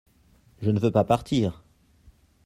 je ne veux pas partir.